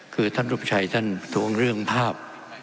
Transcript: คือท่านรูปชัยท่านทวงเรื่องภาพ